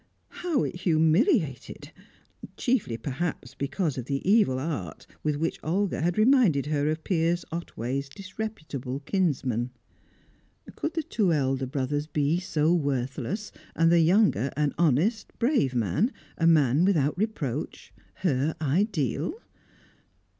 How it humiliated! Chiefly, perhaps, because of the evil art with which Olga had reminded her of Piers Otway's disreputable kinsmen. Could the two elder brothers be so worthless, and the younger an honest, brave man, a man without reproach her ideal?